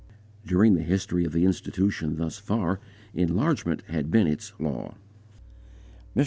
During the history of the Institution thus far, enlargement had been its law. Mr.